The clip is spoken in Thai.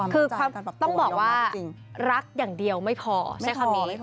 คือต้องบอกว่ารักอย่างเดียวไม่พอใช้คำนี้